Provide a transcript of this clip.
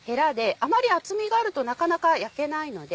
あまり厚みがあるとなかなか焼けないので。